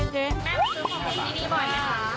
แม่ซื้อของพี่ดีบ่อยไหมคะ